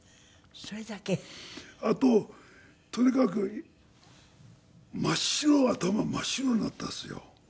あととにかく頭真っ白になったんですよ。